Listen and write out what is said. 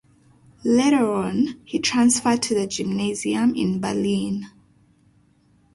Later on, he transferred to the Gymnasium in Berlin.